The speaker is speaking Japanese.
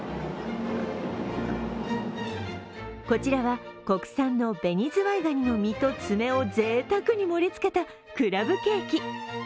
こちらは国産の紅ずわいがにの身と爪をぜいたくに盛りつけたクラブケーキ。